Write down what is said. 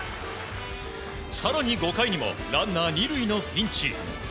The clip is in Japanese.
更に５回にもランナー２塁のピンチ。